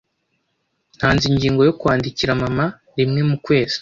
Ntanze ingingo yo kwandikira mama rimwe mu kwezi.